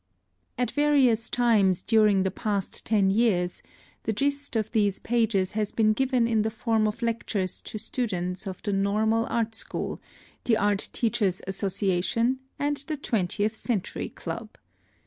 At various times during the past ten years, the gist of these pages has been given in the form of lectures to students of the Normal Art School, the Art Teachers' Association, and the Twentieth Century Club.